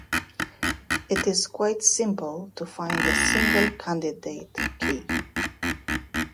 It is quite simple to find a single candidate key.